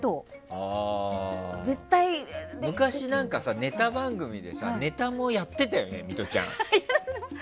昔、ネタ番組でネタもやってたよね、ミトちゃん。